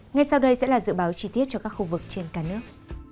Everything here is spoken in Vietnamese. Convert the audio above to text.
ngay sau đây sẽ là dự báo chi tiết cho các khu vực trên cả nước